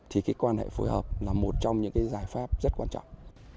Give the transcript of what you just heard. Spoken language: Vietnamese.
thì cái quan hệ phối hợp là một trong những cái giải pháp rất quan trọng